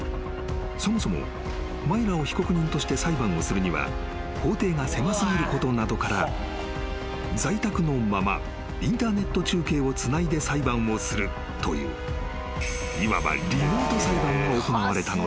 ［そもそもマイラを被告人として裁判をするには法廷が狭過ぎることなどから在宅のままインターネット中継をつないで裁判をするといういわばリモート裁判が行われたのである］